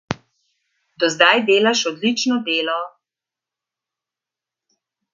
Do zdaj delaš odlično delo.